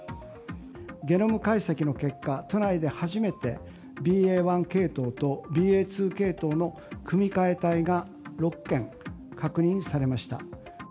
ゲノム解析の結果、都内で初めて、ＢＡ．１系統とＢＡ．２系統の組み換え体が６件確認されました。